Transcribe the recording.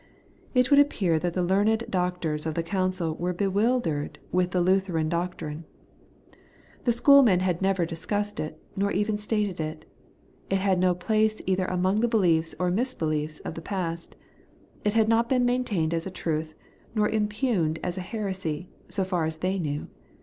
It would appear that the learned doctors of the Council were bewildered with the Lutheran doctrine. The schoolmen had never discussed it, nor even stated it. It had no place either anlong the beliefs or misbeliefs of the past. It had not been maintained as a truth, nor impugned as a heresy, so far as they knew.